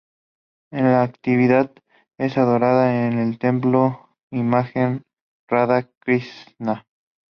En la actualidad es adorada en el templo una imagen de Radha Krishna.